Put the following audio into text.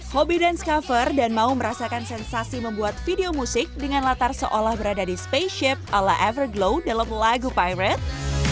hobi dance cover dan mau merasakan sensasi membuat video musik dengan latar seolah berada di space ship ala everglow dalam lagu pibret